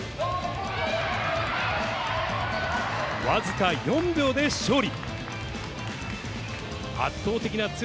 僅か４秒で勝利。